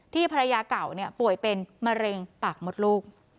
ภรรยาเก่าป่วยเป็นมะเร็งปากมดลูก